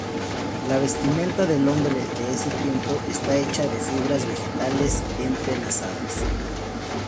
La vestimenta del hombre de ese tiempo está hecha de fibras vegetales entrelazadas.